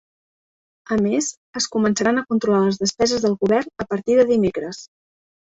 A més, es començaran a controlar les despeses del govern a partir de dimecres.